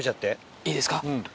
いいですか？